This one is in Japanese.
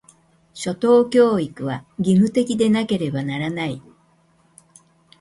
初等教育は、義務的でなければならない。